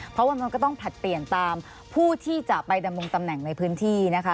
เพราะว่ามันก็ต้องผลัดเปลี่ยนตามผู้ที่จะไปดำรงตำแหน่งในพื้นที่นะคะ